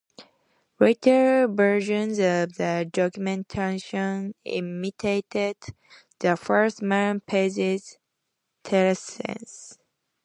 Later versions of the documentation imitated the first man pages' terseness.